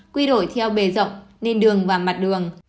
quy đổi theo bề rộng nền đường và mặt đường